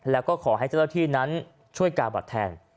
แล้วก็ขอให้เจ้าหน้าที่นั้นช่วยกาบัตรแทน